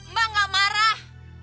mak gak marah